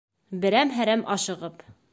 Берәм-Һәрәм, ашығып.